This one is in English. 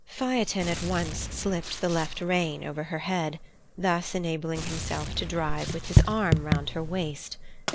Phaethon at once slipped the left rein over her head, thus enabling himself to drive with his arm round her waist.